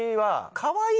かわいい！